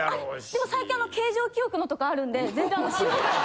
でも最近形状記憶のとかあるんで全然シワには。